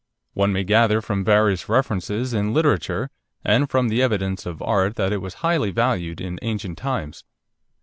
One may gather from various references in literature, and from the evidence of art, that it was highly valued in ancient times.